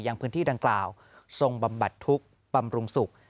ยังพื้นที่ดังกล่าวทรงบำบัดทุกข์บำรุงสุข